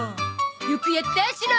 よくやったシロ！